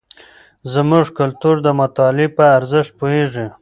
زموږ کلتور د مطالعې په ارزښت پوهیږي.